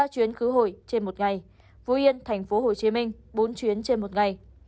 ba chuyến khứ hồi trên một ngày phú yên tp hcm bốn chuyến trên một ngày